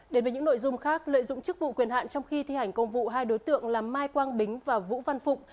đến với những nội dung khác lợi dụng chức vụ quyền hạn trong khi thi hành công vụ hai đối tượng là mai quang bính và vũ văn phụng